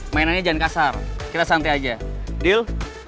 mainannya jangan kasar kita santai aja deal